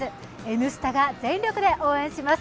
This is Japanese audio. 「Ｎスタ」が全力で応援します。